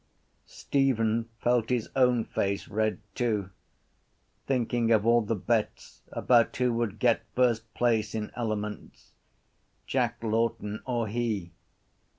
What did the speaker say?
Stephen felt his own face red too, thinking of all the bets about who would get first place in elements, Jack Lawton or he.